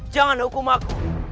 jangan hukum aku